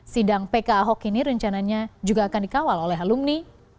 sidang pk ahok ini rencananya juga akan dikawal oleh alumni dua ratus dua belas